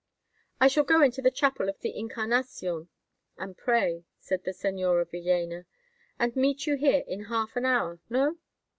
"I shall go into the Chapel of the Incarnacion and pray," said the Señora Villéna, "and meet you here in half an hour—no?"